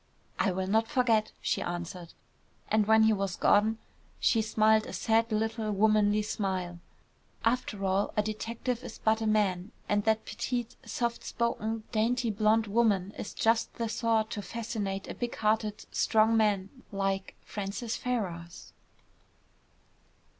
"I will not forget," she answered. And when he was gone she smiled a sad little womanly smile. "After all, a detective is but a man, and that petite, soft spoken, dainty blonde woman is just the sort to fascinate a big hearted, strong man like Francis Ferrars."